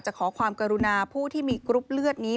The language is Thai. ขอความกรุณาผู้ที่มีกรุ๊ปเลือดนี้